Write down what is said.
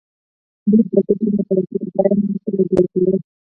موږ د ګټې متوسطه بیه هم ورسره یوځای کوو